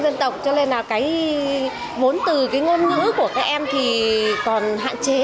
dân tộc cho nên là cái vốn từ cái ngôn ngữ của các em thì còn hạn chế